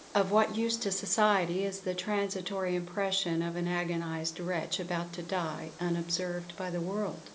Of what use to society is the transitory impression of an agonised wretch about to die unobserved by the world?